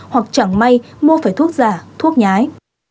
hoặc chẳng may mua phải thuốc giả thuốc nhái